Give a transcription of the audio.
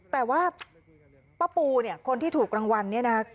แต่ว่าป้าปูเนี่ยคนที่ถูกรางวัลเนี่ยนะ